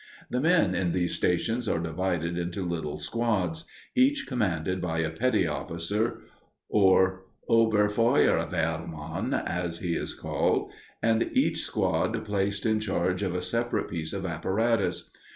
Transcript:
The men in these stations are divided into little squads, each commanded by a petty officer, or Oberfeuerwehrmann, as he is called, and each squad placed in charge of a separate piece of apparatus.